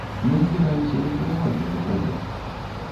Мы збіраемся ліквідаваць гэты прабел.